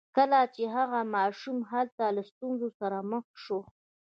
کله چې هغه ماشوم هلته له ستونزو سره مخ شو